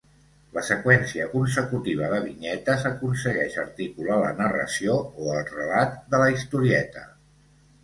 La seqüència consecutiva de vinyetes aconsegueix articular la narració o el relat de la historieta.